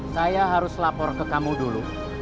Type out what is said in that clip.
saya harus lapor ke kamu dulu